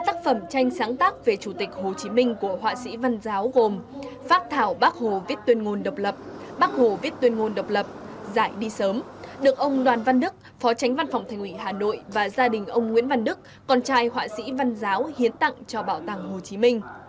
năm tác phẩm tranh sáng tác về chủ tịch hồ chí minh của họa sĩ văn giáo gồm phát thảo bác hồ viết tuyên ngôn độc lập bác hồ viết tuyên ngôn độc lập giải đi sớm được ông đoàn văn đức phó tránh văn phòng thành ủy hà nội và gia đình ông nguyễn văn đức con trai họa sĩ văn giáo hiến tặng cho bảo tàng hồ chí minh